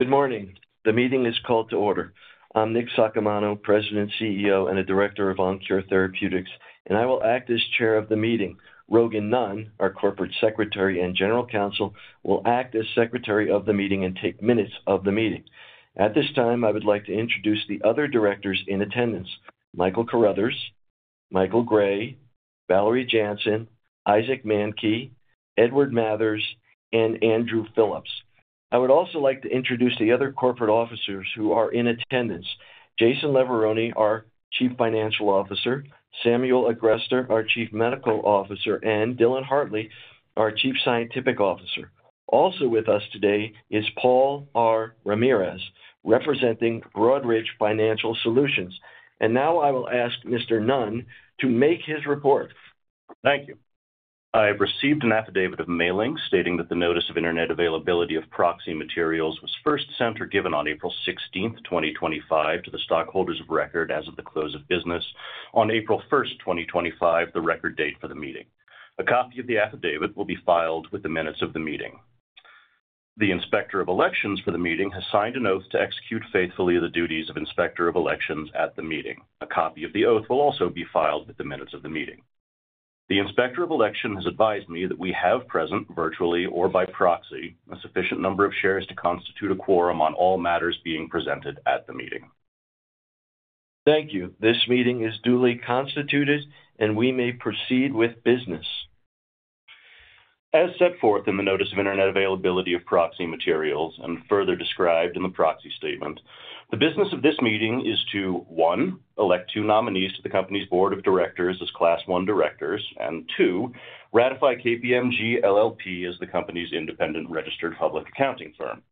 Good morning. The meeting is called to order. I'm Nick Saccomano, President, CEO, and a Director of OnKure Therapeutics, and I will act as Chair of the meeting. Rogan Nunn, our Corporate Secretary and General Counsel, will act as Secretary of the meeting and take minutes of the meeting. At this time, I would like to introduce the other directors in attendance: Michael Carruthers, Michael Grey, Valerie Jansen, Isaac Mankey, Edward Mathers, and Andrew Phillips. I would also like to introduce the other corporate officers who are in attendance: Jason Leverone, our Chief Financial Officer; Samuel Agreste, our Chief Medical Officer; and Dylan Hartley, our Chief Scientific Officer. Also with us today is Paul R. Ramirez, representing Broadridge Financial Solutions. I will now ask Mr. Nunn to make his report. Thank you. I have received an affidavit of mailing stating that the notice of internet availability of proxy materials was first sent or given on April 16th, 2025, to the stockholders of record as of the close of business on April 1st, 2025, the record date for the meeting. A copy of the affidavit will be filed with the minutes of the meeting. The Inspector of Elections for the meeting has signed an oath to execute faithfully the duties of Inspector of Elections at the meeting. A copy of the oath will also be filed with the minutes of the meeting. The Inspector of Elections has advised me that we have present, virtually or by proxy, a sufficient number of shares to constitute a quorum on all matters being presented at the meeting. Thank you. This meeting is duly constituted, and we may proceed with business. As set forth in the notice of internet availability of proxy materials, and further described in the proxy statement, the business of this meeting is to: one, elect two nominees to the company's board of directors as Class 1 directors, and two, ratify KPMG LLP as the company's independent registered public accounting firm.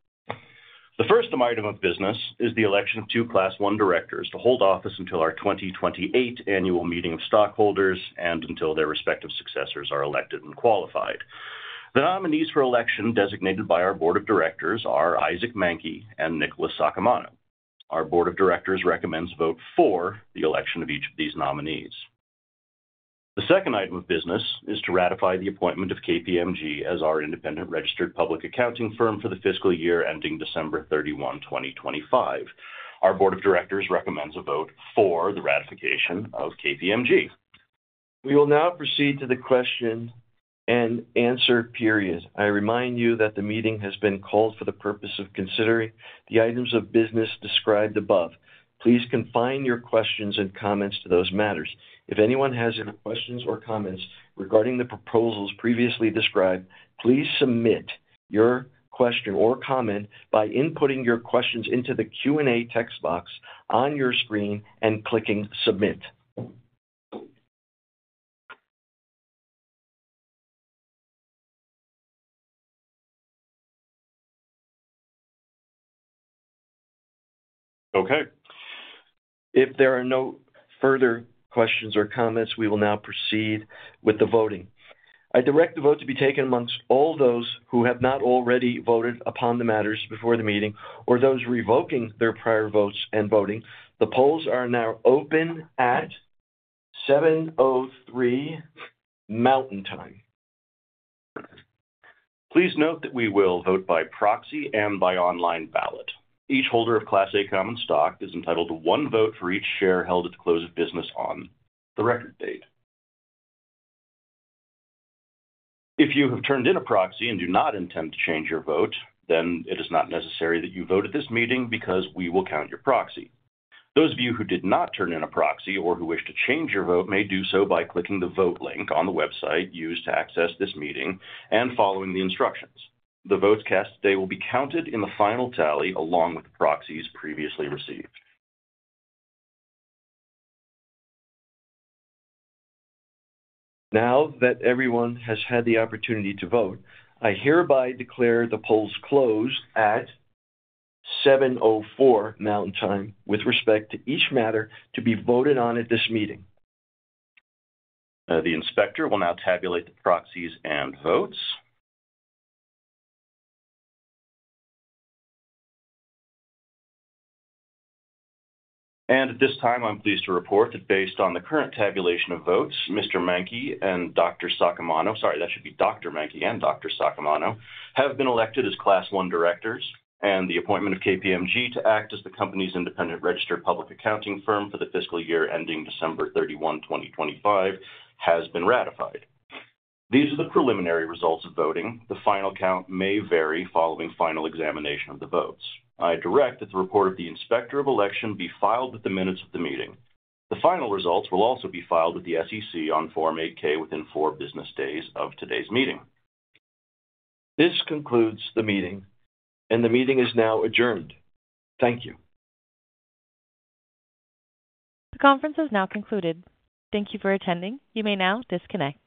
The first item of business is the election of two Class 1 directors to hold office until our 2028 annual meeting of stockholders and until their respective successors are elected and qualified. The nominees for election designated by our Board of Directors are Isaac Mankey and Nicholas Saccomano. Our Board of Directors recommends vote for the election of each of these nominees. The second item of business is to ratify the appointment of KPMG as our independent registered public accounting firm for the fiscal year ending December 31, 2025. Our Board of Directors recommends a vote for the ratification of KPMG. We will now proceed to the question and answer period. I remind you that the meeting has been called for the purpose of considering the items of business described above. Please confine your questions and comments to those matters. If anyone has any questions or comments regarding the proposals previously described, please submit your question or comment by inputting your questions into the Q&A text box on your screen and clicking Submit. Okay. If there are no further questions or comments, we will now proceed with the voting. I direct the vote to be taken amongst all those who have not already voted upon the matters before the meeting or those revoking their prior votes and voting. The polls are now open at 7:03 Mountain Time. Please note that we will vote by proxy and by online ballot. Each holder of Class A Common Stock is entitled to one vote for each share held at the close of business on the record date. If you have turned in a proxy and do not intend to change your vote, then it is not necessary that you vote at this meeting because we will count your proxy. Those of you who did not turn in a proxy or who wish to change your vote may do so by clicking the Vote link on the website used to access this meeting and following the instructions. The votes cast today will be counted in the final tally along with the proxies previously received. Now that everyone has had the opportunity to vote, I hereby declare the polls closed at 7:04 Mountain Time with respect to each matter to be voted on at this meeting. The Inspector will now tabulate the proxies and votes. At this time, I'm pleased to report that based on the current tabulation of votes, Mr. Mankey and Dr. Saccomano—sorry, that should be Dr. Mankey and Dr. Saccomano—have been elected as Class 1 directors, and the appointment of KPMG to act as the company's independent registered public accounting firm for the fiscal year ending December 31, 2025, has been ratified. These are the preliminary results of voting. The final count may vary following final examination of the votes. I direct that the report of the Inspector of Elections be filed with the minutes of the meeting. The final results will also be filed with the SEC on Form 8-K within four business days of today's meeting. This concludes the meeting, and the meeting is now adjourned. Thank you. The conference is now concluded. Thank you for attending. You may now disconnect.